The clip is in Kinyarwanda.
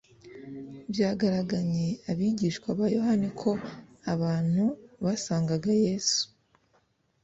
Byagaraganye abigishwa ba Yohana ko abantu basangaga Yesu,